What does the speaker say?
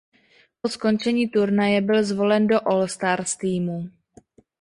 Po skončení turnaje byl zvolen do All Stars týmu.